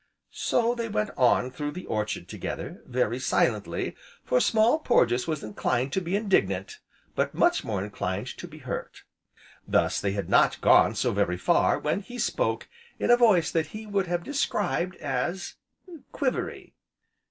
So they went on through the orchard together, very silently, for Small Porges was inclined to be indignant, but much more inclined to be hurt. Thus, they had not gone so very far, when he spoke, in a voice that he would have described as quivery.